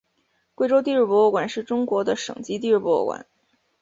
贵州地质博物馆是中国的省级地质博物馆。